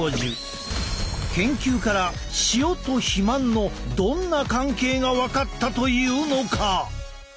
研究から塩と肥満のどんな関係が分かったというのか？